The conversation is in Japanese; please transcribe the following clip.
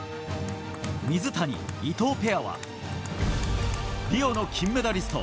水谷、伊藤ペアはリオの金メダリスト